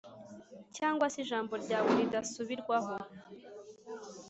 cyangwa se ijambo ryawe ridasubirwaho.